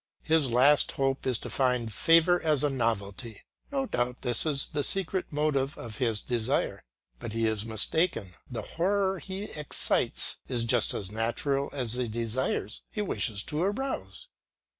His last hope is to find favour as a novelty; no doubt this is the secret motive of this desire; but he is mistaken, the horror he excites is just as natural as the desires he wishes to arouse.